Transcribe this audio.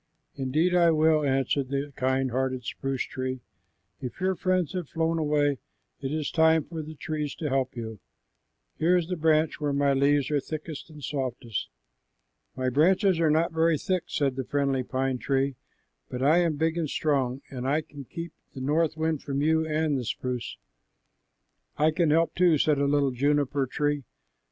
"Indeed, I will," answered the kind hearted spruce tree. "If your friends have flown away, it is time for the trees to help you. Here is the branch where my leaves are thickest and softest." "My branches are not very thick," said the friendly pine tree, "but I am big and strong, and I can keep the north wind from you and the spruce." "I can help too," said a little juniper tree.